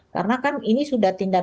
karena kan ini sudah tindak